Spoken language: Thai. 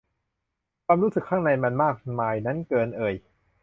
ความรู้สึกข้างในมากมายนั้นเกินเอ่ย